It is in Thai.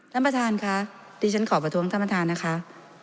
ท่านประธานค่ะดิฉันขอประท้วงท่านประธานนะคะ